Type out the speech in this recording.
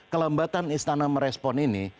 kelembatan istana merespon ini